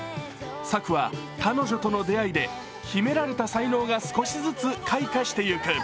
朔は、彼女との出会いで秘められた才能が少しずつ開花していく。